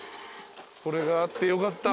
これがあってよかった。